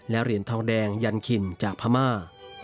และเหรียญทองแดงยันคินจากพม่า